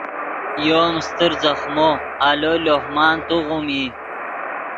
یو ام استر ځخمو آلو لوہ مان توغیم ای